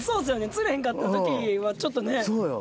釣れへんかった時はちょっとね。